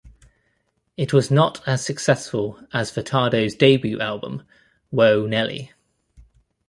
It was not as successful as Furtado's debut album, Whoa, Nelly!